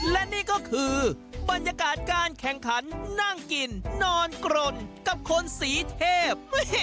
และนี่ก็คือบรรยากาศการแข่งขันนั่งกินนอนกรนกับคนสีเทพ